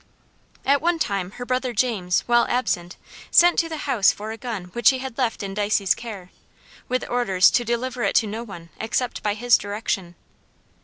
At one time her brother James, while absent, sent to the house for a gun which he had left in Dicey's care, with orders to deliver it to no one, except by his direction.